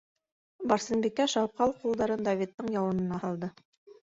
- Барсынбикә шауҡал ҡулдарын Давидтың яурынына һалды.